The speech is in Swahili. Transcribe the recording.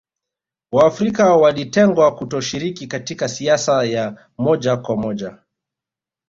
Waafrika walitengwa kutoshiriki katika siasa ya moja kwa moja